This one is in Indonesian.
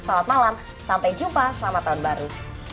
selamat malam sampai jumpa selamat tahun baru